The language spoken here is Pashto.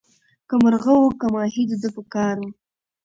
که مرغه وو که ماهی د ده په کار وو